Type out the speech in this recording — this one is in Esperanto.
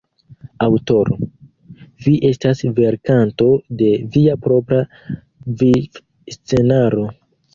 Aŭtoro: Vi estas verkanto de via propra viv-scenaro.